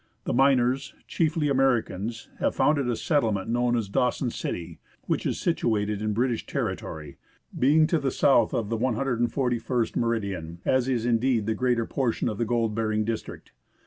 The miners, chiefly Americans, have founded a settlement known as Dawson City, which is situated in British territory, being to the south of 141° meridian, as is indeed the greater por tion of the gold bearing district.